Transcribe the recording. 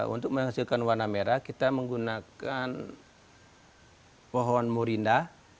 untuk menghasilkan warna merah kita menggunakan pohon murinda